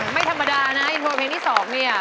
ไม่ธรรมดานะอินโทรเพลงที่๒เนี่ย